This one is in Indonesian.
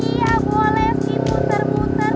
iya iya gue oleh sih muter muter